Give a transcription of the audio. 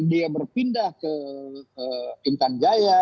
dia berpindah ke intan jaya